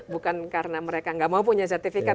bukan karena mereka nggak mau punya sertifikat